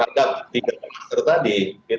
tidak seperti tadi